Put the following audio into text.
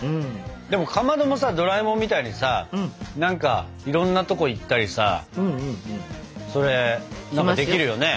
でもかまどもさドラえもんみたいにさ何かいろんなとこ行ったりさそれできるよね。